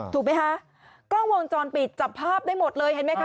ถูกไหมคะกล้องวงจรปิดจับภาพได้หมดเลยเห็นไหมคะ